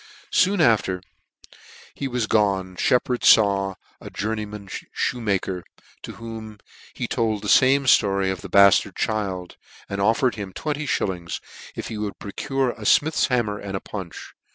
Soon after he was gone Sheppard faw a jour neyman fhoemaker, to whom he told the fame ftory of the baftard child, and offered him twenty fhillings if he would procure a fmith's hammer and a punch.